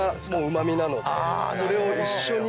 これを一緒に。